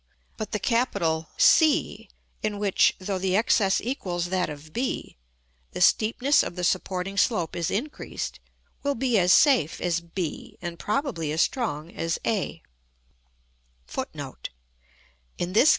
But the capital c, in which, though the excess equals that of b, the steepness of the supporting slope is increased, will be as safe as b, and probably as strong as a.